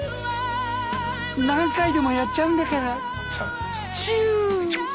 何回でもやっちゃうんだからチュー！